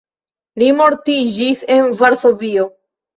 Li mortiĝis en Varsovio.